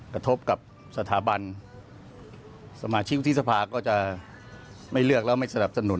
กระทบกับสถาบันสมาชิกวุฒิสภาก็จะไม่เลือกแล้วไม่สนับสนุน